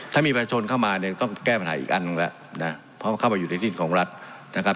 ถ้ามีประชนเข้ามาเนี่ยก็แก้ปัญหาอีกอันตรงนั้นแหละนะเพราะเข้าไปอยู่ในที่ของรัฐนะครับ